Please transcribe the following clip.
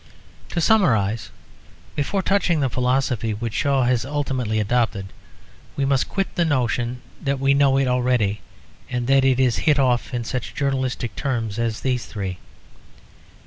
To summarise; before touching the philosophy which Shaw has ultimately adopted, we must quit the notion that we know it already and that it is hit off in such journalistic terms as these three.